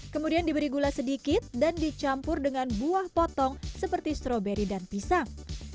kemudian diberi gula sedikit dan dicampur dengan buah potong seperti stroberi dan pisang